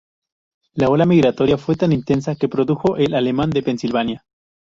La ola migratoria fue tan intensa que produjo el alemán de Pensilvania.